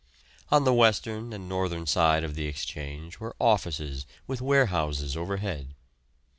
On the western and northern side of the Exchange were offices with warehouses overhead.